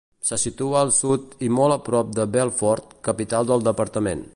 Se situa al Sud i molt a prop de Belfort, capital del departament.